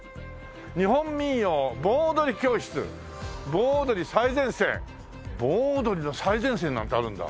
「日本民踊盆踊り教室」「盆踊り最前線」盆踊りの最前線なんてあるんだ。